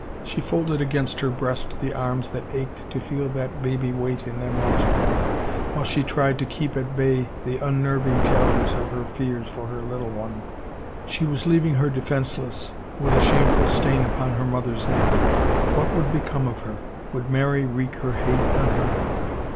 She folded against her breast the arms that ached to feel that baby weight in them once more, while she tried to keep at bay the unnerving terrors of her fears for her little one. She was leaving her defenseless — with a shameful stain upon her mother's name. What would become of her? Would Mary wreak her hate on her?